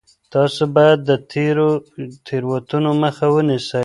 تاسو بايد د تېرو تېروتنو مخه ونيسئ.